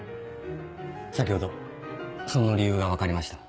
先ほどその理由が分かりました。